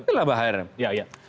itulah bahaya rem